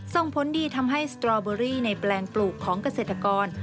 ส่งผลดีทำให้สตรอเบอรี่ในแปลงปลูกของเกษตรกร